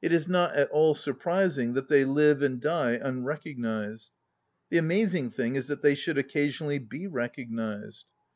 It is not at all surprising that they live and die unrecognized; the amazing thing is that they should occasionally be recognized.